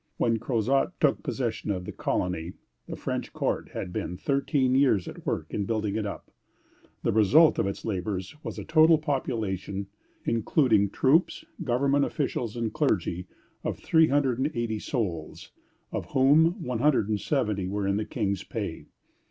When Crozat took possession of the colony, the French court had been thirteen years at work in building it up. The result of its labors was a total population, including troops, government officials, and clergy, of 380 souls, of whom 170 were in the King's pay.